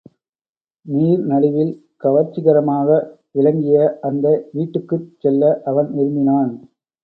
நீர் நடுவில் கவர்ச்சிகரமாக விளங்கிய அந்த வீட்டுக்குச் செல்ல அவன் விரும்பினான்.